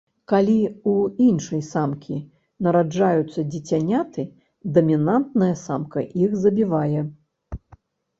Калі ў іншай самкі нараджаюцца дзіцяняты, дамінантная самка іх забівае.